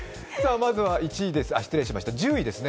まずは１０位ですね。